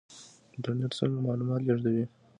انټرنیټ څنګه معلومات لیږدوي؟